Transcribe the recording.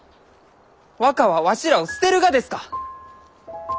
若はわしらを捨てるがですか？